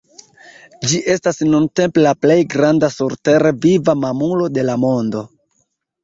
Ĝi estas nuntempe la plej granda surtere viva mamulo de la mondo.